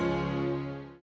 siapa saja pembo